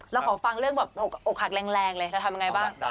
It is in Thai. เราขอฟังเรื่องแบบอกหักแรงเลยจะทำยังไงบ้าง